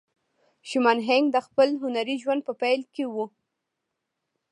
شومان هینک د خپل هنري ژوند په پیل کې وه